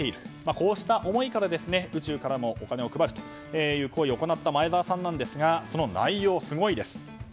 こうした思いから宇宙からもお金を配るという行為を行った前澤さんですがその内容、すごいです。